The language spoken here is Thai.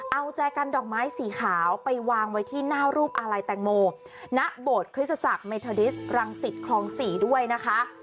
เอาแจกันดอกไม้สีขาวไปวางไว้ที่หน้ารูปอาลัยแตงโมณโบสถคริสตจักรเมทาดิสรังสิตคลอง๔ด้วยนะคะ